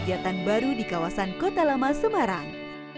kualitas kegiatan baru di kawasan kota lemah semarang